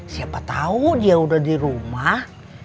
siapa tahu dia udah di rumah